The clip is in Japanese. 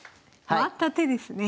回った手ですね。